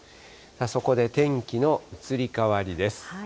そこで天気の移り変わりです。